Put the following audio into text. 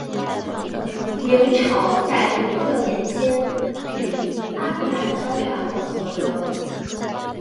明朝在永乐年间与安南交战后所得。